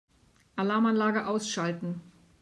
Alarmanlage ausschalten.